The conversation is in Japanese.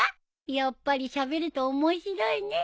やっぱりしゃべると面白いね。